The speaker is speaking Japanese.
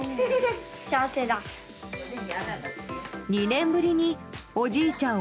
２年ぶりに、おじいちゃん